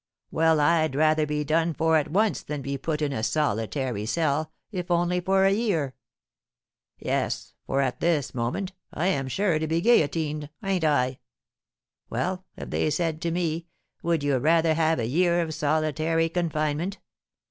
Well, I'd rather be done for at once than be put in a solitary cell, if only for a year. Yes, for at this moment I am sure to be guillotined ain't I? Well, if they said to me, 'Would you rather have a year of solitary confinement?'